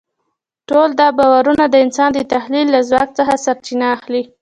ټول دا باورونه د انسان د تخیل له ځواک څخه سرچینه اخلي.